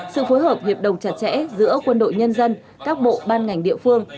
sự phối hợp hiệp đồng chặt chẽ giữa quân đội nhân dân các bộ ban ngành địa phương